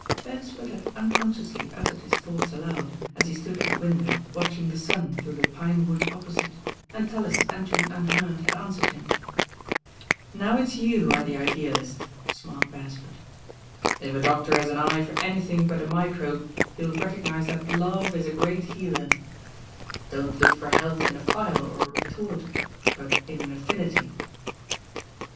Beresford had unconsciously uttered his thoughts aloud, as he stood at the window, watching the sun through the pine wood opposite, and Tallis entering unheard, had answered him. "Now it's you who are the ideaHst," smiled Beresford. "If a doctor has an eye for anything but a microbe, he'll recognise that love is a great healer. LOST DAYS AKD THE DOC^TOE 09 D«i»t look for health in « phial or % rttort; but in an affinity."